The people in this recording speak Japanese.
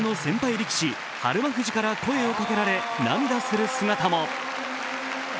力士・日馬富士から声をかけられ、涙する姿も。